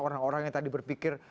orang orang yang tadi berpikir